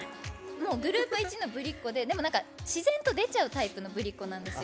グループいちのぶりっこで自然と出ちゃうタイプのぶりっ子なんですよ